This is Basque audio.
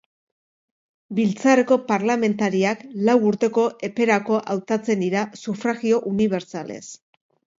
Biltzarreko parlamentariak lau urteko eperako hautatzen dira sufragio unibertsalez.